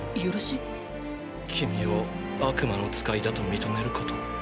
君を悪魔の使いだと認めること。